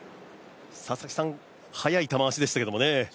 佐々木さん、速い球足でしたけれどもね。